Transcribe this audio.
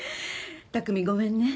巧ごめんね。